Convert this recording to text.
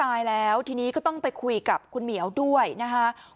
คุณเหมียวเนี่ยก็คือเป็นเพื่อนของคุณกัญจัดาส